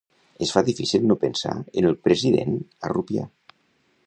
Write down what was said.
Es fa difícil no pensar en el president a Rupià.